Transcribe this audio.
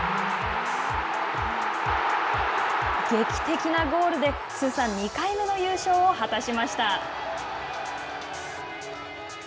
劇的なゴールで通算２回目の優勝を果たしました。